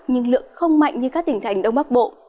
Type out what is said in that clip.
nhưng lượng không mạnh như các tỉnh thành đông bắc bộ